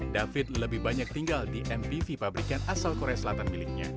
david lebih banyak tinggal di mpv pabrikan asal korea selatan miliknya